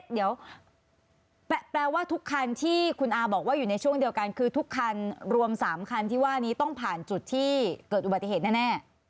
เดี๋ยวแปลว่าทุกคันที่คุณอาบอกว่าอยู่ในช่วงเดียวกันคือทุกคันรวม๓คันที่ว่านี้ต้องผ่านจุดที่เกิดอุบัติเหตุแน่